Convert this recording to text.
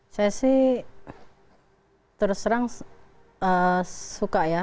saya sih terus terang suka ya